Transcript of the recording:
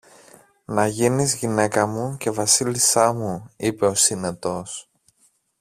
Να γίνεις γυναίκα μου και Βασίλισσά μου, είπε ο Συνετός.